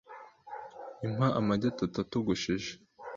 impa Amagi atatu atogosheje